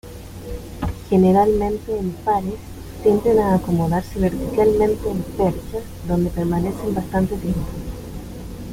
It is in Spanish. Generalmente en pares, tienden a acomodarse verticalmente en perchas, donde permanecen bastante tiempo.